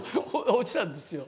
落ちたんですよ。